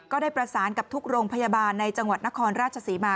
ก็ได้ประสานกับทุกโรงพยาบาลในจังหวัดนครราชศรีมา